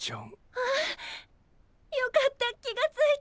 あっよかった気が付いて。